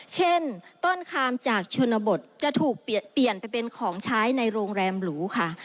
เช่นต้นคามจากชนบทจะถูกเปลี่ยนไปเป็นของใช้ในโรงแรมหรูค่ะ